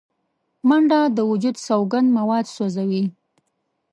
منډه د وجود سونګ مواد سوځوي